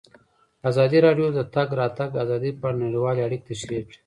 ازادي راډیو د د تګ راتګ ازادي په اړه نړیوالې اړیکې تشریح کړي.